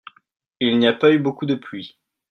Il n'y a pas eu beaucoup de pluie.